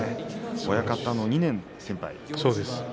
親方の２年先輩ですね。